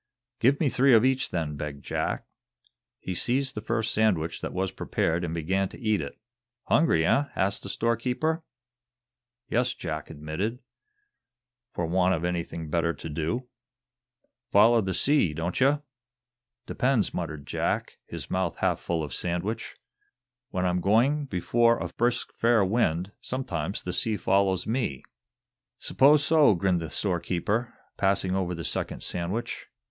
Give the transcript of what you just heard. "Give me three of each, then," begged Jack. He seized the first sandwich that was prepared and began to eat it. "Hungry, eh!" asked the storekeeper. "Yes," Jack admitted; "for want of anything better to do." "Foller the sea, don't ye?" "Depends," muttered Jack, his mouth half full of sandwich. "When I'm going before a brisk fair wind, sometimes the sea follows me." "'Spose so," grinned the storekeeper, passing over the second sandwich.